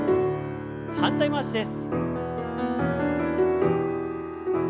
反対回しです。